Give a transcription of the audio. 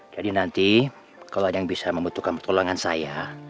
nanti kalau ada yang bisa membutuhkan pertolongan saya